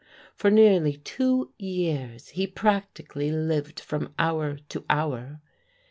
For nearly two years he practically lived from hour to hour.